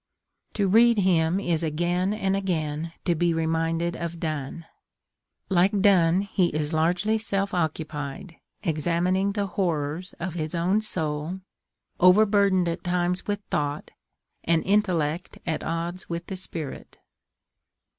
To read him is again and again to be reminded of Donne. Like Donne, he is largely self occupied, examining the horrors of his own soul, overburdened at times with thought, an intellect at odds with the spirit.